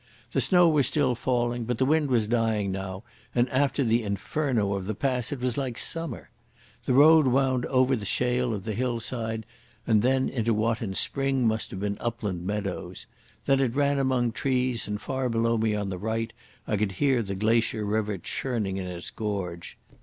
The snow was still falling, but the wind was dying down, and after the inferno of the pass it was like summer. The road wound over the shale of the hillside and then into what in spring must have been upland meadows. Then it ran among trees, and far below me on the right I could hear the glacier river churning in its gorge.